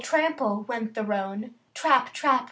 trample! went the roan. Trap! trap!